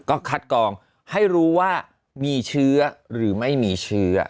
ก็คัดกองให้รู้ว่ามีเชื้อหรือไม่มีเชื้อ